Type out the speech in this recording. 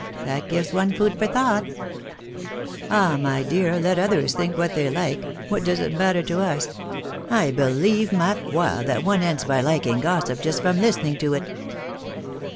That gives one food for thought !" PHILOMiiNE's MARRIAGES. 201 ! my dear, let others think what they like ! What does it matter to us ? I believe, ma foiy that one ends by liking gossip just from listening to it!